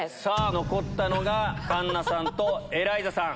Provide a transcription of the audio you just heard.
残ったのが環奈さんとエライザさん。